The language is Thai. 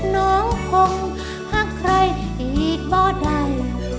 น้องคงหักใครอีกก็ได้